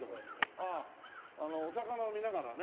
あああのお魚を見ながらね。